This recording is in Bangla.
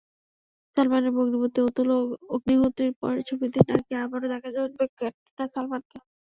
সালমানের ভগ্নিপতি অতুল অগ্নিহোত্রীর পরের ছবিতেই নাকি আবারও দেখা যাবে ক্যাটরিনা-সালমানকে।